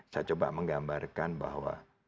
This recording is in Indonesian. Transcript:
saya coba menggambarkan bahwa